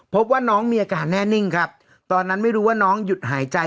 พบว่าน้องมีอาการแน่นิ่งครับตอนนั้นไม่รู้ว่าน้องหยุดหายใจ